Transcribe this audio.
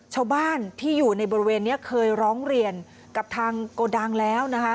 ชาวบ้านที่อยู่ในบริเวณนี้เคยร้องเรียนกับทางโกดังแล้วนะคะ